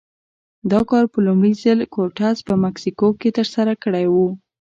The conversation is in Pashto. دا کار په لومړي ځل کورټز په مکسیکو کې ترسره کړی و.